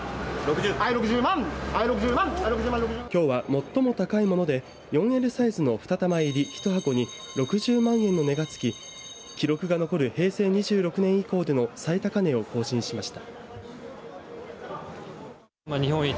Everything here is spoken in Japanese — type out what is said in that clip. きょうは最も高いもので４Ｌサイズの２玉入り１箱に６０万円の値がつき記録が残る平成２６年以降での最高値を更新しました。